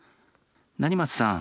成松さん